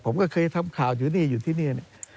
ผมก็เคยทำข่าวอยู่ที่นี่